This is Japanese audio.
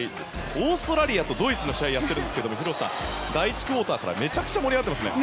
オーストラリアとドイツの試合をやっているんですけど広瀬さん、第１クオーターからめちゃくちゃ盛り上がってますね。